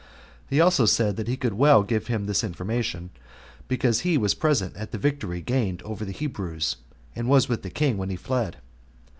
He also said that he could well give him this information, because he was present at the victory gained over the Hebrews, and was with the king when he fled.